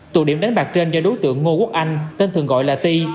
tụ điểm đánh bạc trên do đối tượng ngô quốc anh tên thường gọi là ti